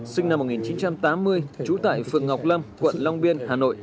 sinh năm một nghìn chín trăm tám mươi trú tại phường ngọc lâm quận long biên hà nội